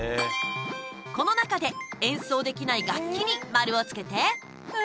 この中で演奏できない楽器に丸をつけて！